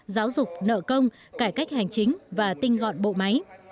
giáo dục nợ công cải cách hành chính và tinh gọn bộ máy